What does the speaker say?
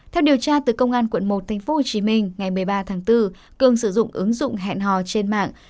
theo điều tra từ công an quận một tp hcm ngày một mươi ba tháng bốn cường sử dụng ứng dụng hẹn hò trên mạng